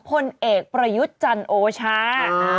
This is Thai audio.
พลเอกประยุทธ์จันโอชา